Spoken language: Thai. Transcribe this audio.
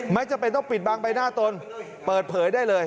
ไม่จำเป็นต้องปิดบางใบหน้าตนเปิดเผยได้เลย